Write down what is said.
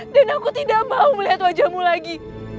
dan aku tidak mau melihat wajahmu lagi